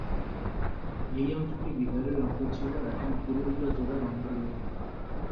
এই অংশটি বিহারের অংশ ছিল এখন পুরুলিয়া জেলার অন্তর্গত।